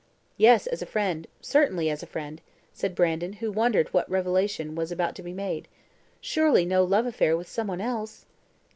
"Yes, as a friend; certainly, as a friend," said Brandon, who wondered what revelation was about to be made. Surely no love affair with some one else!